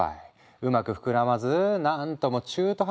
うまく膨らまず何とも中途半端な姿に。